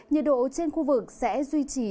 nhiệt độ trên khu vực sẽ duy trì